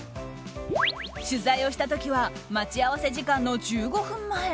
取材をした時は待ち合わせ時間の１５分前。